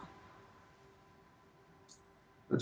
seperti diketahui ya